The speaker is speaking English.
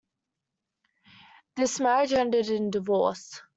This marriage ended in divorce.